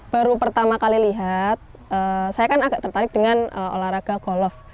baru pertama kali lihat saya kan agak tertarik dengan olahraga golf